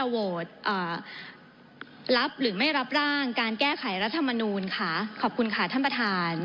โหวตรับหรือไม่รับร่างการแก้ไขรัฐมนูลค่ะขอบคุณค่ะท่านประธาน